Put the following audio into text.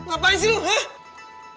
apaan sih lu hah